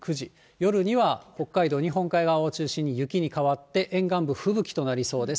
夜には北海道、日本海側を中心に雪に変わって、沿岸部、吹雪となりそうです。